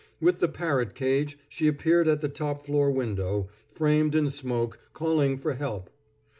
With the parrot cage, she appeared at the top floor window, framed in smoke, calling for help.